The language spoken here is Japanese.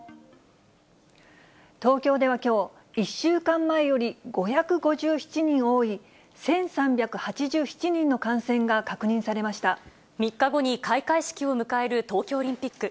東京ではきょう、１週間前より５５７人多い、１３８７人の感染が確認されまし３日後に開会式を迎える東京オリンピック。